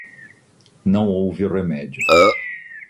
Não houve remédio.